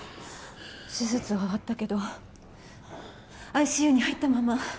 手術は終わったけどＩＣＵに入ったまま。